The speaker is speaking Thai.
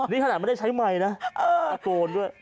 นี่ขนาดไม่ได้ใช้ไมค์นะตะโกนด้วย